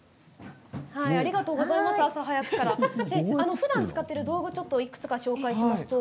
ふだん使っている道具をご紹介します。